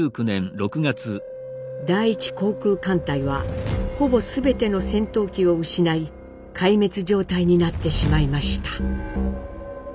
第一航空艦隊はほぼ全ての戦闘機を失い壊滅状態になってしまいました。